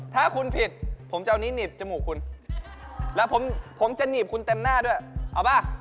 ถ้าคุณผิดผมจะเอานี้หนีบจมูกคุณแล้วผมจะหนีบคุณเต็มหน้าด้วยเอาป่ะ